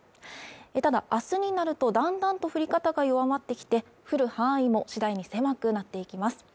ただ明日になるとだんだんと降り方が弱まってきて降る範囲も次第に狭くなっていきます